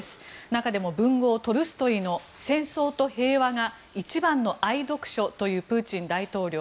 中でも文豪トルストイの「戦争と平和」が一番の愛読書というプーチン大統領。